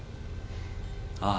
ああ。